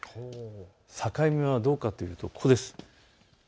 境目はどこかというと、ここです。